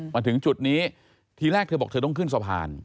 มาถึงจุดนี้ทีแรกเธอบอกเธอต้องขึ้นสะพาน